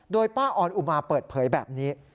โดยป้าออนอุมาเปิดเผยแบบนี้